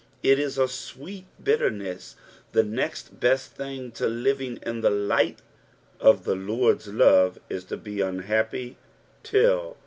It ia a sweet bitterness. The nest best thing to living in the light of the Lord's love ia to be unhappy til!